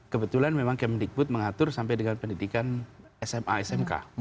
kebetulan memang kemdikbud mengatur sampai dengan pendidikan sma smk